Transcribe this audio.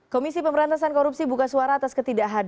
komisi pemerintah san korupsi buka suara atas ketidakhadiran